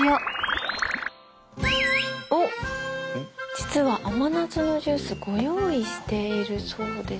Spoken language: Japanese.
実は甘夏のジュースご用意しているそうです。